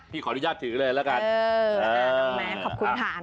พี่ขออนุญาตถือได้แล้วกัน